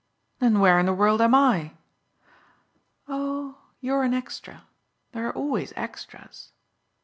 "Then where in the world am I?" "Oh you're an extra. There are always extras."